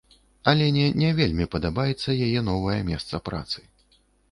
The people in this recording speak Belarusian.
Алене не вельмі падабаецца яе новае месца працы.